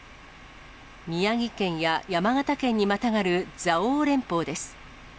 宮城県や山形県にまたがる蔵王連峰です。